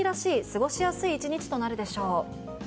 過ごしやすい１日となるでしょう。